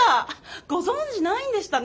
ご存じないんでしたね。